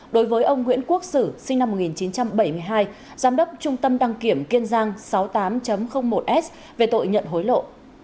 đối với ông nguyễn quốc sử sinh năm một nghìn chín trăm bảy mươi hai giám đốc trung tâm đăng kiểm kiên giang sáu mươi tám một s về tội nhận hối lộ